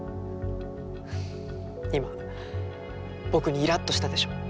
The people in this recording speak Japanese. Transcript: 今僕にイラッとしたでしょ？